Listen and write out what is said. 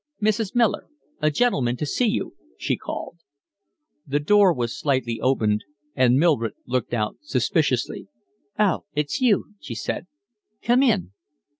"Mrs. Miller, a gentleman to see you," she called. The door was slightly opened, and Mildred looked out suspiciously. "Oh, it's you," she said. "Come in."